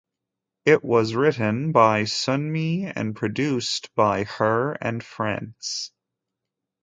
It was written by Sunmi and produced by her and Frants.